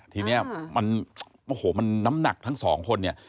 ทีนี้มันน้ำหนักทั้งสองคน